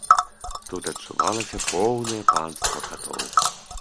Тут адчувалася поўнае панства катоў.